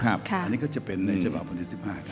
อันนี้ก็จะเป็นในจบาป๑๕ครับ